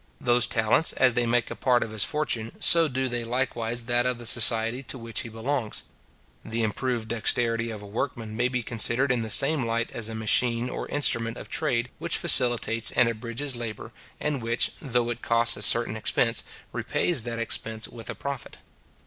Those talents, as they make a part of his fortune, so do they likewise that of the society to which he belongs. The improved dexterity of a workman may be considered in the same light as a machine or instrument of trade which facilitates and abridges labour, and which, though it costs a certain expense, repays that expense with a profit.